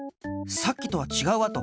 さっきとはちがうあと！